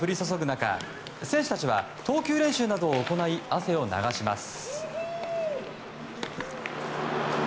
中選手たちは投球練習などを行い汗を流します。